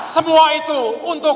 semua itu untuk